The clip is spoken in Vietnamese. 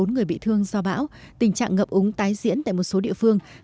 bốn người bị thương do bão tình trạng ngập úng tái diễn tại một số địa phương